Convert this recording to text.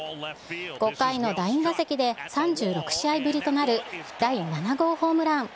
５回の第２打席で３６試合ぶりとなる第７号ホームラン。